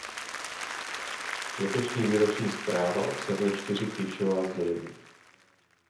Letošní výroční zpráva obsahuje čtyři klíčová sdělení.